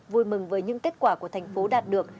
vui mừng với những kết quả của thành phố đạt được